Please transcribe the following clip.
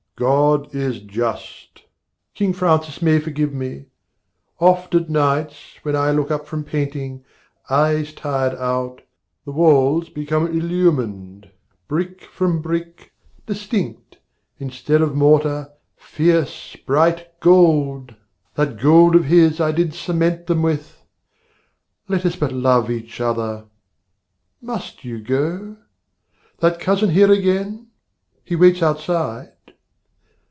God is just. King Francis may forgive me: oft at nights When I look up from painting, eyes tired out, The walls become illumined, brick from brick Distinct, instead of mortar, fierce bright gold, That gold of his I did cement them with! Let us but love each other. Must you go? That Cousin here again? he waits outside?